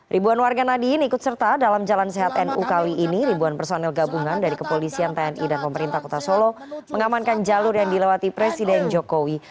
ribuan warga nadiin ikut serta dalam jalan sehat nu kawi ini ribuan personel gabungan dari kepolisian tni dan pemerintah kota solo mengamankan jalur yang dilewati presiden jokowi